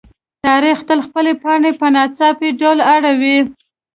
تاریخ تل خپلې پاڼې په ناڅاپي ډول اړوي.